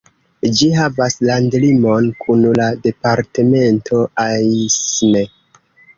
Ĝi havas landlimon kun la departemento Aisne.